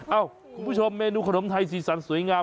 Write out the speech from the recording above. คุณผู้ชมเมนูขนมไทยสีสันสวยงาม